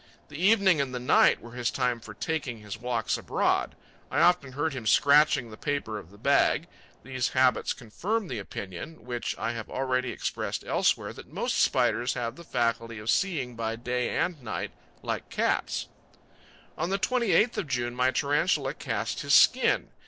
The evening and the night were his time for taking his walks abroad. I often heard him scratching the paper of the bag. These habits confirm the opinion, which I have already expressed elsewhere, that most Spiders have the faculty of seeing by day and night, like cats. 'On the 28th of June, my Tarantula cast his skin.